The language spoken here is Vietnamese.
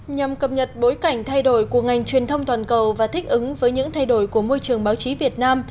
nhằm cập nhật bối cảnh thay đổi của ngành truyền thông toàn cầu và thích ứng với những thay đổi của môi trường báo chí việt nam